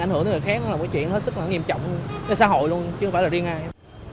ảnh hưởng tới người khác là một chuyện hết sức nghiêm trọng cho xã hội luôn chứ không phải là riêng ai